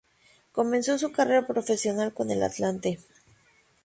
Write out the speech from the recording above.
Comenzó su carrera profesional con el Atlante.